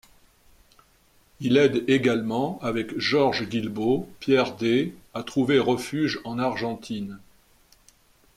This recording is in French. Il aide également, avec Georges Guilbaud, Pierre Daye à trouver refuge en Argentine.